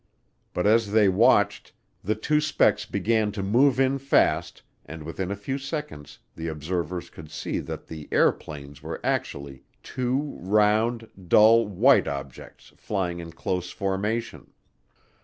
But as they watched, the two specks began to move in fast, and within a few seconds the observers could see that "the airplanes" were actually two round, dull white objects flying in close formation.